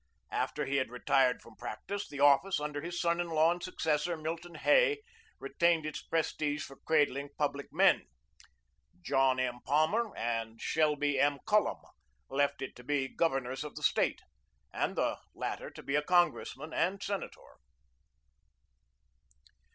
After he had retired from practice, the office, under his son in law and successor, Milton Hay, retained its prestige for cradling public men. John M. Palmer and Shelby M. Cullom left it to be Governors of the State, and the latter to be a Congressman and Senator.